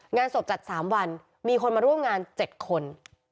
งานศพจัด๓วันมีคนมาร่วมงาน๗คน